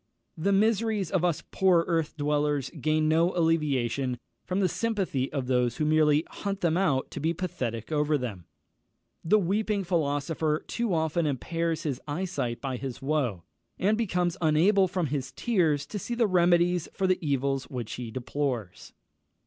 The miseries of us poor earth dwellers gain no alleviation from the sympathy of those who merely hunt them out to be pathetic over them. The weeping philosopher too often impairs his eyesight by his woe, and becomes unable from his tears to see the remedies for the evils which he deplores.